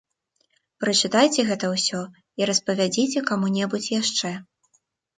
Прачытайце гэта ўсё і распавядзіце каму-небудзь яшчэ.